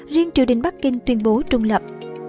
riêng triều đình bắc kinh tuyên bố trung lập